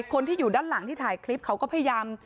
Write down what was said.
คนที่อยู่ด้านหลังที่ถ่ายคลิปเขาก็พยายาม